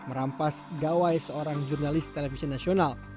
merampas gawai seorang jurnalis televisi nasional